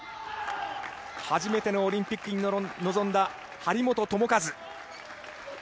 初めてのオリンピックに臨んだ張本智和。